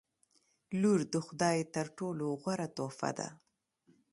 • لور د خدای تر ټولو غوره تحفه ده.